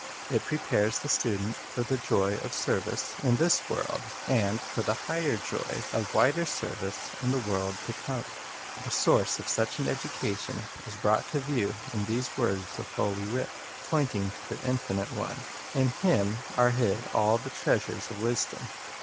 It prepares the student for the joy of service in this world, and for the higher joy of wider service in the world to come. The source of such an education is brought to view in these words of Holy Writ, pointing to the Infinite One: In Him "are hid all the treasures of wisdom."